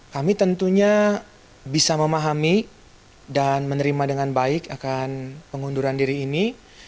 kami tentunya bisa memahami dan menerima dengan baik akan pengunduran diri ini